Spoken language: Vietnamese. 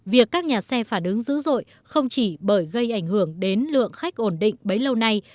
việc các nhà xe phản ứng dữ dội không chỉ bởi gây ảnh hưởng đến lượng khách ổn định bấy lâu nay